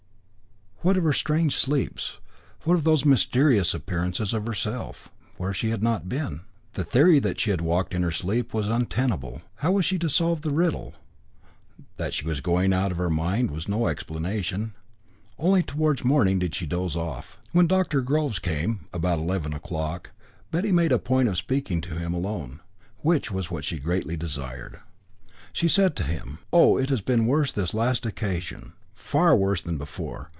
What of her strange sleeps? What of those mysterious appearances of herself, where she had not been? The theory that she had walked in her sleep was untenable. How was she to solve the riddle? That she was going out of her mind was no explanation. Only towards morning did she doze off. When Dr. Groves came, about eleven o'clock, Betty made a point of speaking to him alone, which was what she greatly desired. She said to him: "Oh! it has been worse this last occasion, far worse than before.